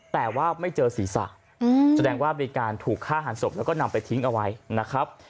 แต่ว่าไม่เจอศีรษะแสดงว่าบริการถูกฆ่าหันศพแล้วก็นำไปทิ้งเอาไว้นะครับ